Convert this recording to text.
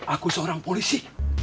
aku seorang polisi